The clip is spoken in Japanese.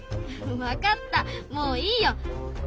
わかったもういいよ。